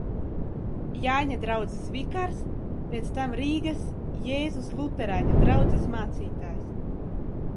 Jāņa draudzes vikārs, pēc tam Rīgas Jēzus luterāņu draudzes mācītājs.